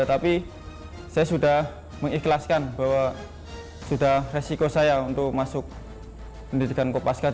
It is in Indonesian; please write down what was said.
tapi saya sudah mengikhlaskan bahwa sudah resiko saya untuk masuk pendidikan kopaska